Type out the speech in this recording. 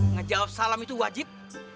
ngejawab salam itu wajib